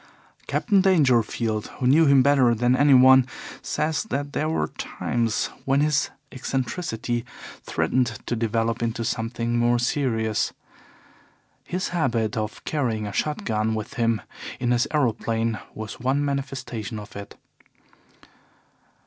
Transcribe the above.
Captain Dangerfield, who knew him better than anyone, says that there were times when his eccentricity threatened to develop into something more serious. His habit of carrying a shot gun with him in his aeroplane was one manifestation of it.